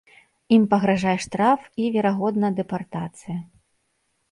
Ім пагражае штраф і, верагодна, дэпартацыя.